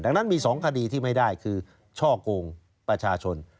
ดังนั้นมี๒คดีที่ไม่ได้คือช่อกงประชาชน